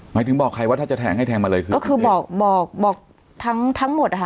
หมายถึงบอกใครว่าถ้าจะแทงให้แทงมาเลยคือก็คือบอกบอกทั้งทั้งหมดอ่ะค่ะ